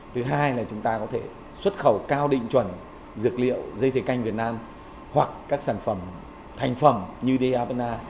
thứ hai là chúng ta có thể xuất khẩu cao định chuẩn dược liệu dây thề canh việt nam hoặc các sản phẩm thành phẩm như davana